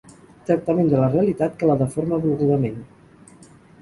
Tractament de la realitat que la deforma volgudament.